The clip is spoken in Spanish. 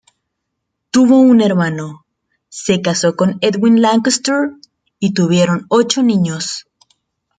Tuvo un hermano, Se casó con Edwin Lankester, y tuvieron ocho niños.